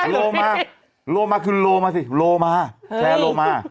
โลมาโลมาคือโลมาสิโลมาแชร์โลมา